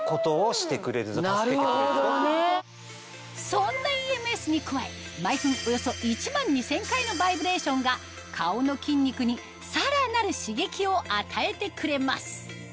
そんなＥＭＳに加え毎分およそ１２０００回のバイブレーションが顔の筋肉にさらなる刺激を与えてくれます